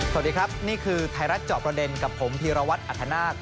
สวัสดีครับนี่คือไทยรัฐเจาะประเด็นกับผมพีรวัตรอัธนาค